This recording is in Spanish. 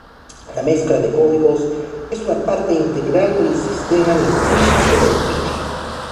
La mezcla de códigos es una parte integral del sistema lingüístico del pichi.